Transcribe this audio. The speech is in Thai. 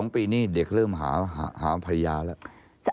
๒ปีนี้เด็กเริ่มหาพญาแล้ว